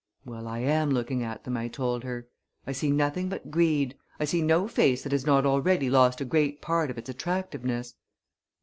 "Well, I am looking at them," I told her. "I see nothing but greed. I see no face that has not already lost a great part of its attractiveness."